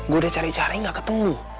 gue udah cari cari nggak ketemu